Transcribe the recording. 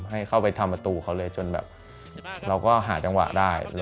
ให้เข้าไปทำประตูเขาเลยจนแบบเราก็หาจังหวะได้